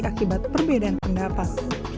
akibat perbedaan pendapat